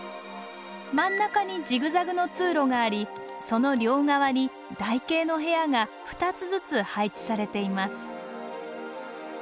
真ん中にジグザグの通路がありその両側に台形の部屋が２つずつ配置されています